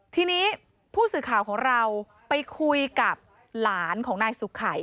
ทีนี้ผู้สื่อข่าวของเราไปคุยกับหลานของนายสุขัย